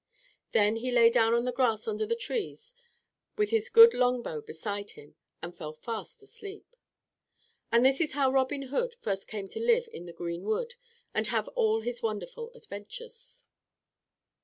Then he lay down on the grass under the trees with his good longbow beside him, and fell fast asleep. And this is how Robin Hood first came to live in the Green Wood and have all his wonderful adventures.